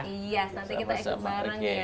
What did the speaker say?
iya nanti kita ikut bareng ya